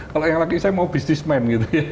kalau yang laki saya mau bisnismen gitu ya